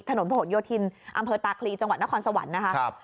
ถนนผนโยธินอำเภอตาคลีจังหวัดนครสวรรค์นะคะ